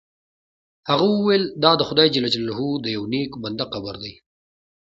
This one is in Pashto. هغه وویل دا د خدای جل جلاله د یو نیک بنده قبر دی.